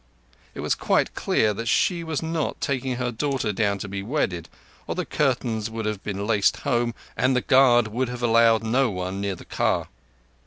It was quite clear that she was not taking her daughter down to be wedded, or the curtains would have been laced home and the guard would have allowed no one near the car.